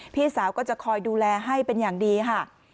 พี่สาวก็จะคอยดูแลให้เป็นอย่างดีค่ะ